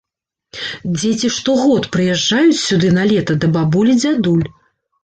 Дзеці штогод прыязджаюць сюды на лета да бабуль і дзядуль.